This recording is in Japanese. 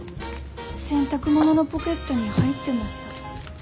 洗濯物のポケットに入ってました。